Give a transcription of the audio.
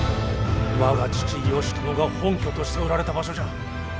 我が父義朝が本拠としておられた場所じゃ。